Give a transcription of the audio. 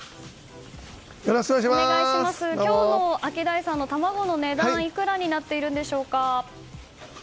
今日のアキダイさんの卵の値段いくらになっているでしょうか。